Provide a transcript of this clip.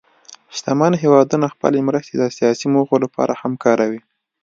شتمن هېوادونه خپلې مرستې د سیاسي موخو لپاره هم کاروي.